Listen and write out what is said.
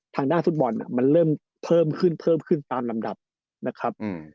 ทางด้านฟุตบอลมันเริ่มเพิ่มขึ้นเพิ่มขึ้นตามลำดับนะครับ